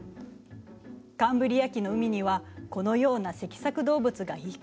カンブリア紀の海にはこのような脊索動物がいくつもいたの。